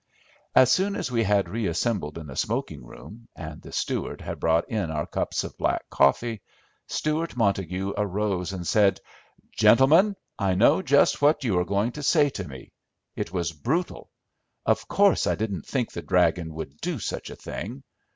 As soon as we had reassembled in the smoking room, and the steward had brought in our cups of black coffee, Stewart Montague arose and said, "Gentlemen, I know just what you are going to say to me. It was brutal. Of course I didn't think the 'dragon' would do such a thing.